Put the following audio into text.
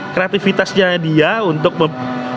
kreatifitasnya dia untuk mem